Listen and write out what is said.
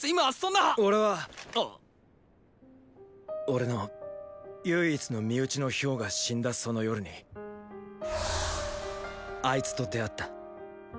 俺の唯一の身内の漂が死んだその夜にあいつと出会った。